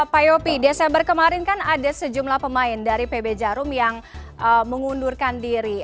pak yopi desember kemarin kan ada sejumlah pemain dari pb jarum yang mengundurkan diri